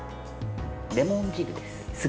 レモン汁です。